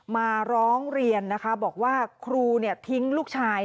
มาร้องเรียนนะคะบอกว่าครูทิ้งลูกชาย